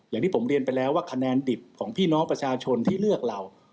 อย่างที่ผมเรียนไปแล้วว่าคะแนนดิบของพี่น้องประชาชนที่เลือกเรา